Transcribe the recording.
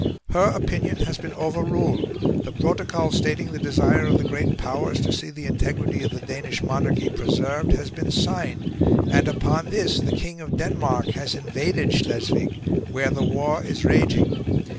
Her opinion has been overruled, the Protocol stating the desire of the Great Powers to see the integrity of the Danish monarchy preserved has been signed, and upon this the King of Denmark has invaded Schleswig, where the war is raging.